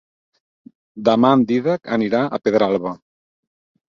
Demà en Dídac anirà a Pedralba.